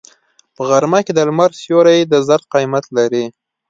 په غرمه کې د لمر سیوری د زر قیمت لري